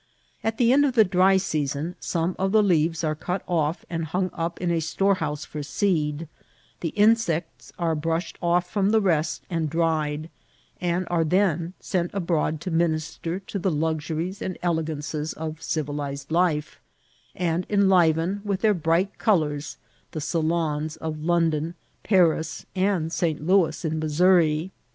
At the end of the dry season some of the leaves are cut off and hung up in a storehouse for seed, the insects are brushed off from the rest and dried, and are then seat abroad to minister to the luxuries and elegances of civilized life, and enliven with their bright colours the salons of London, Paris, and St Louis in Missouri.